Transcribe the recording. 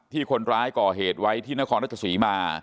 คนร้ายก่อเหตุไว้ที่นครรัชศรีมา